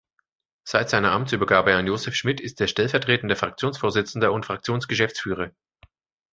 Seit seiner Amtsübergabe an Josef Schmid ist er stellvertretender Fraktionsvorsitzender und Fraktionsgeschäftsführer.